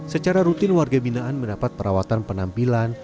secara rutin warga binaan mendapat perawatan penampilan